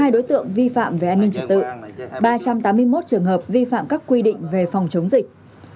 một trăm linh hai đối tượng vi phạm về an ninh trật tự ba trăm tám mươi một trường hợp vi phạm các quy định về phòng chống dịch